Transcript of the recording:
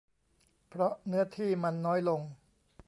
เพราะเนื้อที่มันน้อยลง